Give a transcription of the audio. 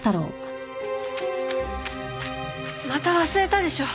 また忘れたでしょ。